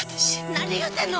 何言うてんの？